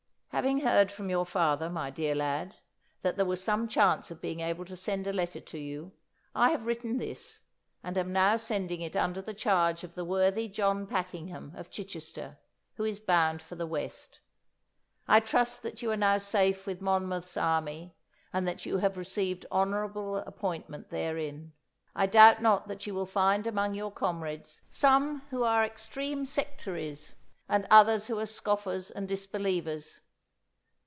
'"Having heard from your father, my dear lad, that there was some chance of being able to send a letter to you, I have written this, and am now sending it under the charge of the worthy John Packingham, of Chichester, who is bound for the West. I trust that you are now safe with Monmouth's army, and that you have received honourable appointment therein. I doubt not that you will find among your comrades some who are extreme sectaries, and others who are scoffers and disbelievers.